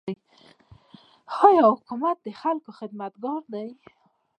آیا حکومت د خلکو خدمتګار دی؟